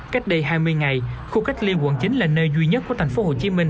cách đây hai mươi ngày khu cách ly quận chín là nơi duy nhất của thành phố hồ chí minh